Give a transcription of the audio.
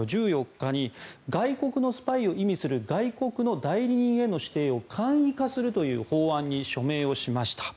１４日に外国のスパイを意味する外国の代理人への指定を簡易化するという法案に署名をしました。